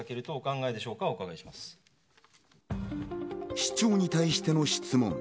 市長に対しての質問。